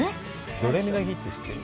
ドレミの日って知ってる？